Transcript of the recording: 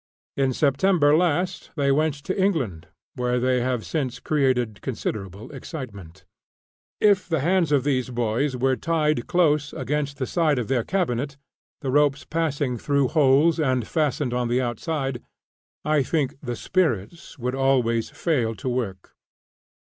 In September last, they went to England, where they have since created considerable excitement. If the hands of these boys were tied close against the side of their cabinet, the ropes passing through holes and fastened on the outside, I think "the spirits" would always fail to work.